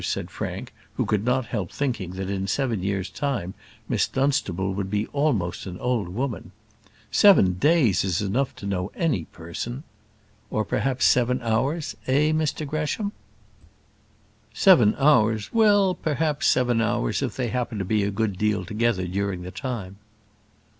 said Frank, who could not help thinking that in seven years' time Miss Dunstable would be almost an old woman. "Seven days is enough to know any person." "Or perhaps seven hours; eh, Mr Gresham?" "Seven hours well, perhaps seven hours, if they happen to be a good deal together during the time."